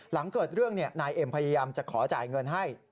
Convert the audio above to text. หลังเกิดเรื่องนายเอ็มพยายามจะขอจ่ายเงินให้